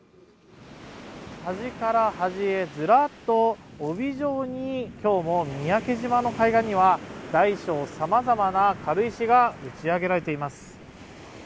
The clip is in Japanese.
端から端へずらっと帯状に今日も三宅島の海岸には大小さまざまな軽石が打ち上げられています。